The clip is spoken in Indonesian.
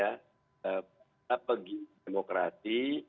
kita pergi ke demokrasi